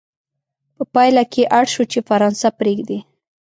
په پایله کې اړ شو چې فرانسه پرېږدي.